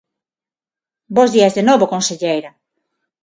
Bos días de novo, conselleira.